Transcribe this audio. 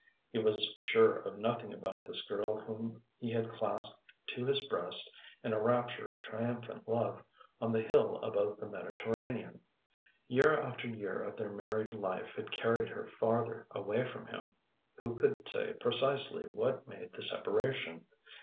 He was sure of nothing about this girl whom he had clasped to his breast in a rapture of triumphant love, on the hill above the Mediterranean. Year after year of their married life had carried her farther away from him. Who could say precisely what made the separation?